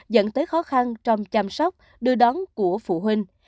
dẫn tới khó khăn trong chăm sóc đưa đón của phụ huynh